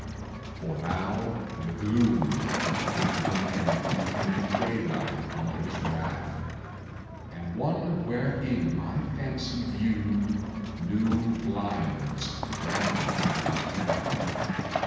For now the gloom that hid the man Became a daylight on his wrath, And one wherein my fancy viewed New lions ramping in his path.